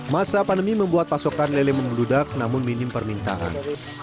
masa pandemi membuat pasokan lele membeludak namun minim permintaan